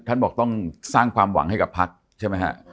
ท่านบอกต้องสร้างความหวังให้กับพักใช่ไหมฮะ